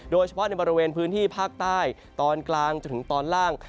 โดยเฉพาะในบริเวณพื้นที่ภาคใต้ตอนกลางจนถึงตอนล่าง